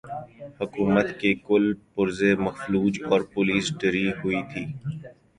حکومت کے کل پرزے مفلوج اور پولیس ڈری ہوئی تھی۔